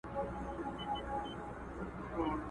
سلطنت وو په ځنګلو کي د زمریانو٫